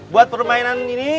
buat permainan ini